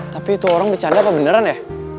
tapi itu orang bercanda apa beneran ya